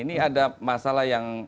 ini ada masalah yang